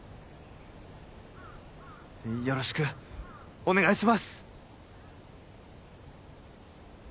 よろしくお願いします！